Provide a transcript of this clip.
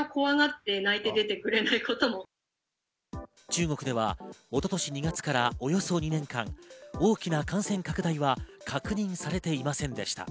中国では一昨年２月からおよそ２年間大きな感染拡大は確認されていませんでした。